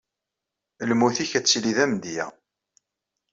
Lmut-ik ad tili d amedya.